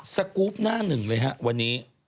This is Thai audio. สกรูปหน้าหนึ่งเลยฮะวันนี้